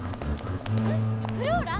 フローラ？